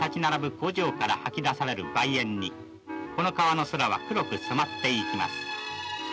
工場から吐き出される害煙にこの川の空は黒く染まっていきます。